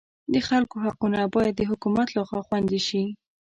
د خلکو حقونه باید د حکومت لخوا خوندي شي.